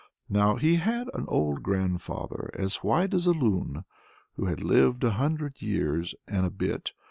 Now he had an old grandfather, as white as a lun, who had lived a hundred years and a bit.